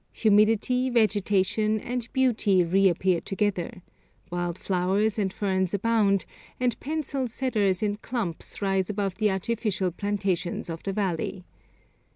Humidity, vegetation, and beauty reappear together, wild flowers and ferns abound, and pencil cedars in clumps rise above the artificial plantations of the valley.